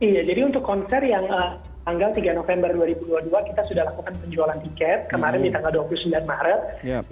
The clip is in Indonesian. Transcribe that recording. iya jadi untuk konser yang tanggal tiga november dua ribu dua puluh dua kita sudah lakukan penjualan tiket kemarin di tanggal dua puluh sembilan maret